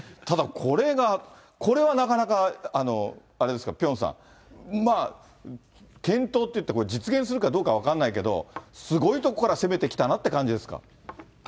ただこれが、これはなかなかあれですか、ピョンさん、検討っていうの、実現するかどうか分かんないけど、すごいところから攻めてきたなっていう感じですか？